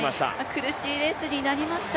苦しいレースになりました